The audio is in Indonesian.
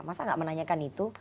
masa nggak menanyakan itu